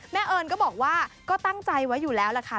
เอิญก็บอกว่าก็ตั้งใจไว้อยู่แล้วล่ะค่ะ